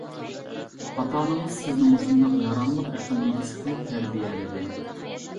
ئاتا-ئانىڭىز سىزنى مۇشۇنداق ياراملىق ئەقىل ئىگىسى قىلىپ تەربىيەلىدى.